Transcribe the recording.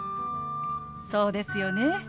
そうですよね。